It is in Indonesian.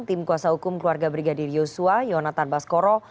tim kuasa hukum keluarga brigadir yosua yonatan baskoro